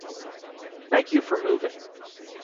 Thank you for moving.